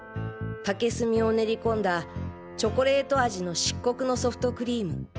竹炭を練りこんだチョコレート味の漆黒のソフトクリーム。